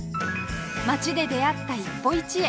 街で出会った一歩一会